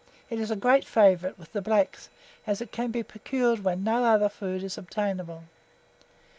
It is a great favourite with the blacks, as it can be procured when no other food is attainable.